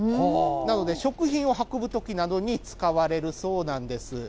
なので食品を運ぶときなどに使われるそうなんです。